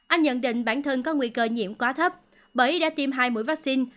anh nhận định bản thân có nguy cơ nhiễm quá thấp bởi đã tiêm hai mũi vaccine